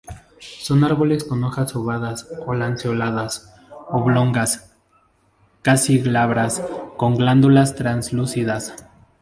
Son árboles con hojas ovadas a lanceoladas, oblongas, casi glabras, con glándulas translúcidas.